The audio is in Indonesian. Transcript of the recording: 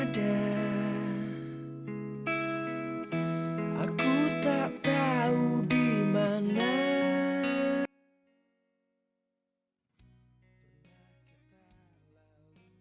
baiklah kita mulai